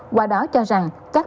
qua đó cho rằng các bị cao